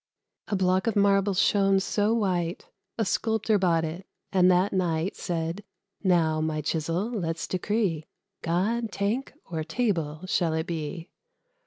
A Block of marble shone so white, A Sculptor bought it, and, that night, Said, "Now, my chisel, let's decree: God, tank, or table, shall it be?